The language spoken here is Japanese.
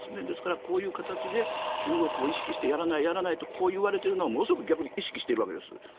ですから、こういう形で中国を意識してやらないやらないといわれているのは逆にものすごく意識しているわけです。